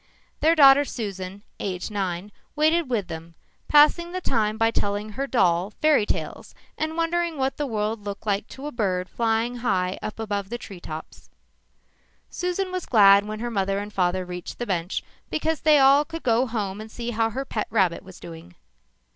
Their daughter Susan, aged nine, waited with them, passing the time by telling her doll fairy tales and wondering what the world looked like to a bird flying high up over a tree top. Susan was glad when her mother and father reached the bench because then they all could go home and see how her pet rabbit was doing.